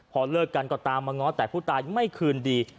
พอเลิกกันก็ตามมาง้อแต่ผู้ตายไม่คืนดี